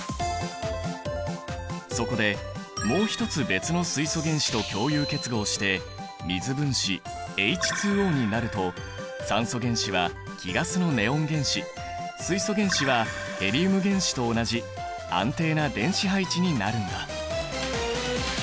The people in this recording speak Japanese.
そこでもう一つ別の水素原子と共有結合して水分子ＨＯになると酸素原子は貴ガスのネオン原子水素原子はヘリウム原子と同じ安定な電子配置になるんだ。